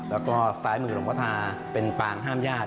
แล้วก็ซ้ายมือหลวงพ่อทาเป็นปางห้ามญาติ